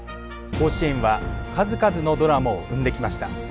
甲子園は数々のドラマを生んできました。